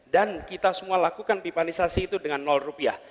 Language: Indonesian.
dan kita semua lakukan pipanisasi itu dengan rupiah